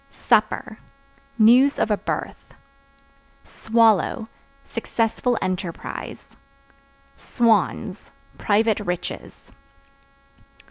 Supper News of a birth. Swallow Successful enterprise. Swans Private riches.